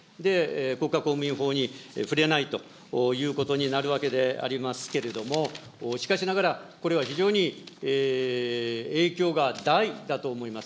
国家公務員法に触れないということになるわけでありますけれども、しかしながらこれは非常に影響が大だと思います。